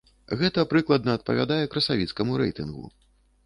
Гэта прыкладна адпавядае красавіцкаму рэйтынгу.